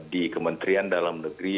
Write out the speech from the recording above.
di kementrian dalam negeri